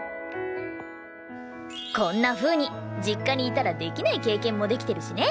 こんなふうに実家にいたらできない経験もできてるしね。